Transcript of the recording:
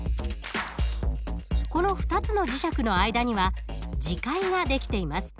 この２つの磁石の間には磁界が出来ています。